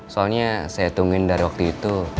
soalnya saya tungguin dari waktu itu